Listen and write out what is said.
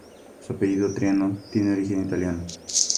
Su apellido Triano tiene origen italiano.